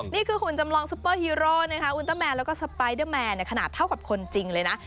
หุ่นจำลองซุปเปอร์ฮีโร่นะคะอุณเตอร์แมนแล้วก็สไปเดอร์แมนขนาดเท่ากับคนจริงเลยนะ